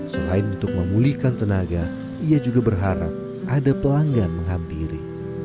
selain untuk memulihkan tenaga ia juga berharap ada pelanggan menghampiri